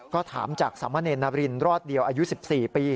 ก็ถามจากสามเณรนารินรอดเดียวอายุ๑๔ปี